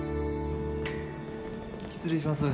失礼します。